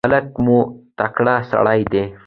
ملک مو تکړه سړی دی.